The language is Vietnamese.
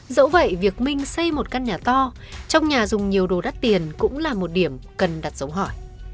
dẫu vậy việc minh xây một căn nhà to trong nhà dùng nhiều đồ đắt tiền cũng là một điểm cần đặt dấu hỏi